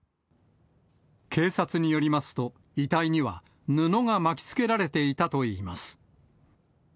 警察によりますと、遺体には、布が巻きつけられていたといいます。